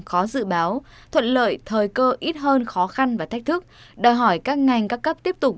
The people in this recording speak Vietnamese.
khó dự báo thuận lợi thời cơ ít hơn khó khăn và thách thức đòi hỏi các ngành các cấp tiếp tục